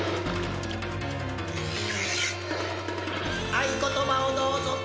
「合言葉をどうぞ」